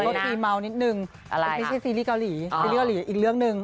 ทีเมานิดนึงไม่ใช่ซีรีส์เกาหลีซีรีสเกาหลีอีกเรื่องหนึ่ง